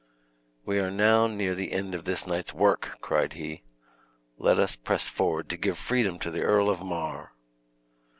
"We are now near the end of this night's work!" cried he. "Let us press forward to give freedom to the Earl of Mar!"